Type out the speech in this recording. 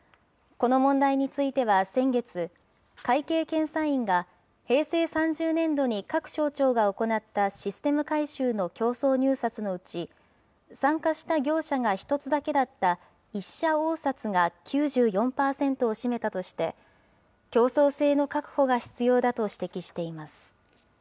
この問題については先月、会計検査院が平成３０年度に各省庁が行ったシステム改修の競争入札のうち、参加した業者が１つだけだった１者応札が９４％を占めたとして、競争性の確保が必要だと指摘しています。